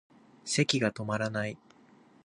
咳がとまらない